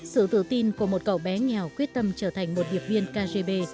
sự tự tin của một cậu bé nghèo quyết tâm trở thành một điệp viên kgb